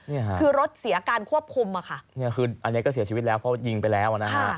นี่ค่ะคือรถเสียการควบคุมอ่ะค่ะเนี่ยคืออันนี้ก็เสียชีวิตแล้วเพราะยิงไปแล้วอ่ะนะฮะ